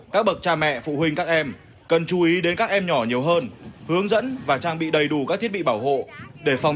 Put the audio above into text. các địa điểm cũng khuyên cáo hiện đã bắt đầu bước vào mùa nắng nóng